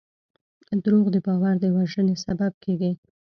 دروغ د باور د وژنې سبب کېږي.